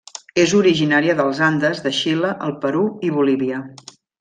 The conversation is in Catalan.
És originària dels Andes de Xile, el Perú i Bolívia.